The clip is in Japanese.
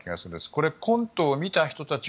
これ、コントを見た人たち